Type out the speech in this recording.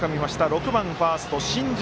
６番ファースト新城